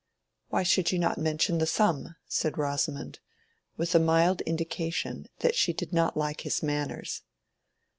"Why should you not mention the sum?" said Rosamond, with a mild indication that she did not like his manners.